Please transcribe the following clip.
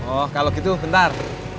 oh kalau gitu bentar